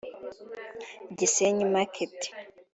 Gisenyi market